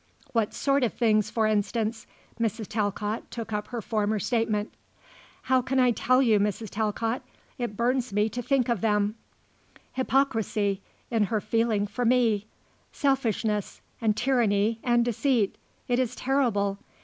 "What sort of things for instance?" Mrs. Talcott took up her former statement. "How can I tell you, Mrs. Talcott. It burns me to think of them. Hypocrisy in her feeling for me; selfishness and tyranny and deceit. It is terrible.